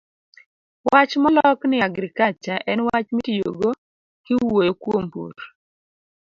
wach molok ni "agriculture" en wach mitiyogo kiwuoyo kuom pur.